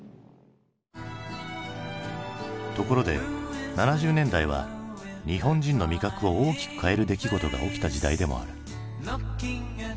ところで７０年代は日本人の味覚を大きく変える出来事が起きた時代でもある。